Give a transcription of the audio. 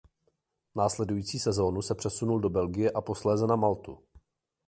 Následují sezónu se přesunul do Belgie a posléze na Maltu.